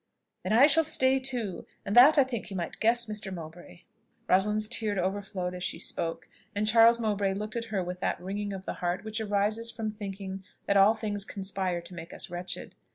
"Then I shall stay too: and that I think you might guess, Mr. Mowbray." Rosalind's tears overflowed as she spoke; and Charles Mowbray looked at her with that wringing of the heart which arises from thinking that all things conspire to make us wretched.